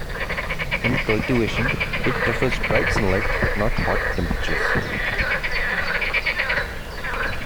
In cultivation, it prefers bright sunlight but not hot temperatures.